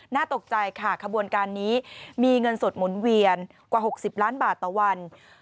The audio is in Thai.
ตกใจค่ะขบวนการนี้มีเงินสดหมุนเวียนกว่า๖๐ล้านบาทต่อวัน